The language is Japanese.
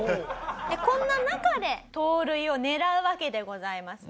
でこんな中で盗塁を狙うわけでございますね。